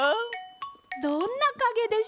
どんなかげでしょう？